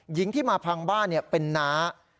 หญิงที่มาพังบ้านเป็นน้า